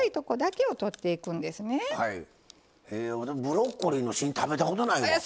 ブロッコリーの芯食べたことないわ。